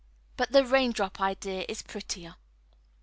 But the raindrop idea is prettier.